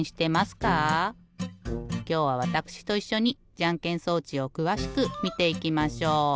きょうはわたくしといっしょにじゃんけん装置をくわしくみていきましょう。